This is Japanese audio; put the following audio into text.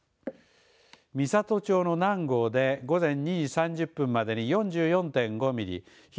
美郷町の南郷で午前２時３０分までに４４．５ミリ